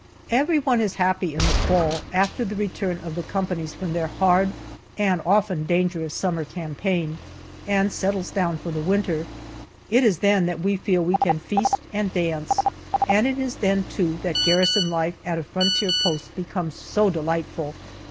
Everyone is happy in the fall, after the return of the companies from their hard and often dangerous summer campaign, and settles down for the winter. It is then that we feel we can feast and dance, and it is then, too, that garrison life at a frontier post becomes so delightful.